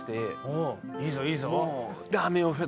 おぉいいぞいいぞ。